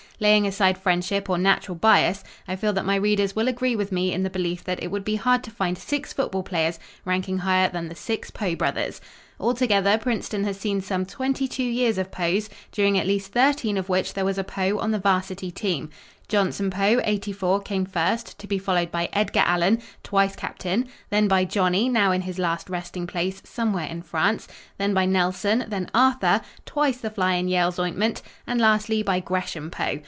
Laying aside friendship or natural bias, I feel that my readers will agree with me in the belief that it would be hard to find six football players ranking higher than the six Poe brothers. Altogether, Princeton has seen some twenty two years of Poes, during at least thirteen of which there was a Poe on the Varsity team. Johnson Poe, '84, came first, to be followed by Edgar Allen, twice captain, then by Johnny, now in his last resting place "somewhere in France," then by Nelson, then Arthur, twice the fly in Yale's ointment, and lastly by Gresham Poe.